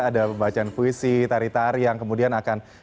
ada pembacaan puisi tari tari yang kemudian akan